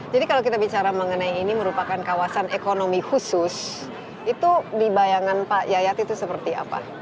kalau kita bicara mengenai ini merupakan kawasan ekonomi khusus itu di bayangan pak yayat itu seperti apa